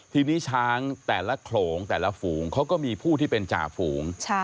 ทีนี้ช้างแต่ละโขลงแต่ละฝูงเขาก็มีผู้ที่เป็นจ่าฝูง